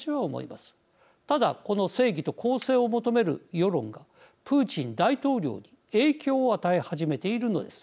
ただこの正義と公正を求める世論がプーチン大統領に影響を与え始めているのです。